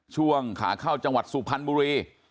ช่วงขาเข้าจังหวัดสุพรรณบุรี